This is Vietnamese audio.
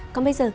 còn bây giờ